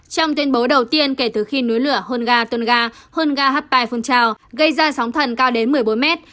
trong tuyên bố đầu tiên kể từ khi núi lửa hunga tunga hunga hapai phun trào gây ra sóng thần cao đến một mươi bốn mét